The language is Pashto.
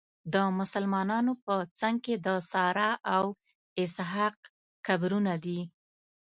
د مسلمانانو په څنګ کې د ساره او اسحاق قبرونه دي.